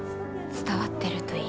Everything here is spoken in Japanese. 伝わってるといいね。